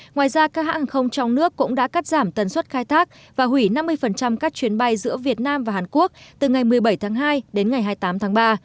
ngoài ra các hãng hàng không trong nước cũng đã cắt giảm tần suất khai thác và hủy năm mươi các chuyến bay giữa việt nam và hàn quốc từ ngày một mươi bảy tháng hai đến ngày hai mươi tám tháng ba